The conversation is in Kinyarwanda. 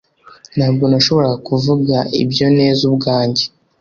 ntabwo nashoboraga kuvuga ibyo neza ubwanjye